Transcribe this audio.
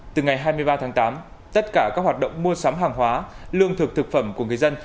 từ ngày hai mươi ba tháng tám tất cả các hoạt động mua sắm hàng hóa lương thực thực phẩm của người dân